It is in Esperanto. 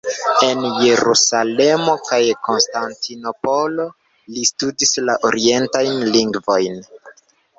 En Jerusalemo kaj Konstantinopolo li studis la orientajn lingvojn.